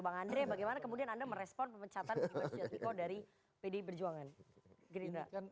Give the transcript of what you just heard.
bang andre bagaimana kemudian anda merespon pemecatan ibu sujat miko dari pdi perjuangan